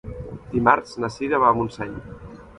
Dimarts na Sira va a Montseny.